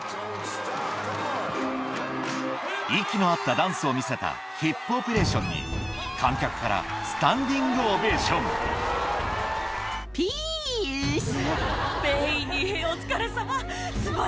息の合ったダンスを見せたヒップ・オペレーションに観客からスタンディングオベーションピース！